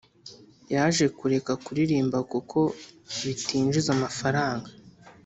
Yaje kureka kuririmba kuko bitinjiza amafaranga.